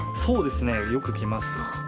そうですねよく来ます。